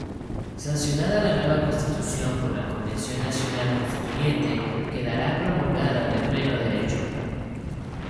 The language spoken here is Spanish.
Sancionada la nueva Constitución por la Convención Nacional Constituyente, quedará promulgada de pleno derecho.